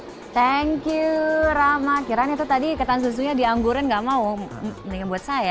thank you rama kiranya tuh tadi ketan susunya di anggurin gak mau mendingan buat saya